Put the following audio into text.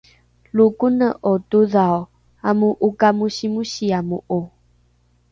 lo kone’o todhao amo’okamosimosiamo’o